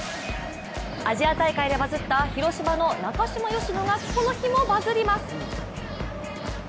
アジア大会でバズった広島の中嶋淑乃がこの日もバズります。